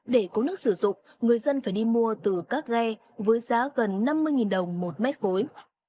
để có nước sử dụng người dân phải đi mua từ các ghe với giá gần năm mươi đồng một mét khối